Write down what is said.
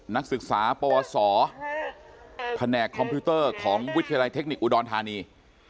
นักศึกษาปวสแผนกคอมพิวเตอร์ของวิทยาลัยเทคนิคอุดรธานี